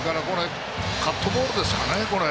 カットボールですかね。